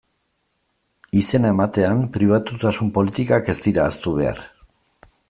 Izena ematean, pribatutasun politikak ez dira ahaztu behar.